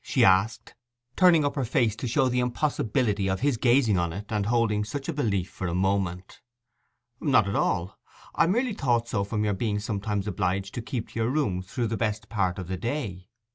she asked, turning up her face to show the impossibility of his gazing on it and holding such a belief for a moment. 'Not at all; I merely thought so from your being sometimes obliged to keep your room through the best part of the day.